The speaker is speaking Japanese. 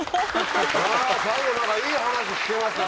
最後何かいい話聞けましたね。